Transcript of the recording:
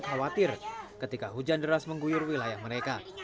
khawatir ketika hujan deras mengguyur wilayah mereka